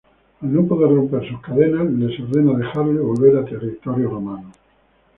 Al no poder romper sus cadenas, les ordena dejarlo y volver a territorio romano.